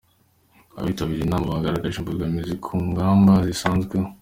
Abitabiriye inama bagaragaje imbogamizi ku ngamba zisanzweho.